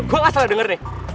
gue gak salah denger deh